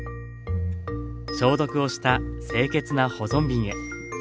消毒をした清潔な保存瓶へ。